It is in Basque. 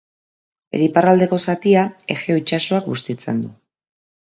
Bere iparraldeko zatia, Egeo itsasoak bustitzen du.